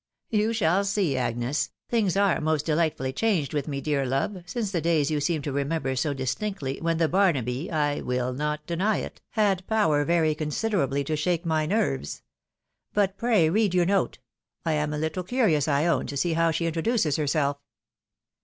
" "You shall see, Agnes ; things are most delightfully changed with me, dear love, since the days you seem to remember so Mits. o'donagough announces hek aerivai,. 97 distinctly wlieii the Barnaby, I will not deny it, had pover very considerably to shake my nerves. But pray read your note : I am a httle curious, I own, to see how she introduces herself."